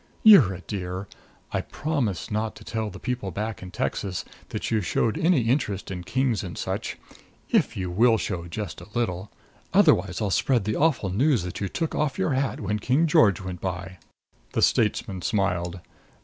"You're a dear! I promise not to tell the people back in Texas that you showed any interest in kings and such if you will show just a little. Otherwise I'll spread the awful news that you took off your hat when King George went by." The statesman smiled.